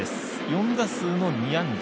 ４打数の２安打。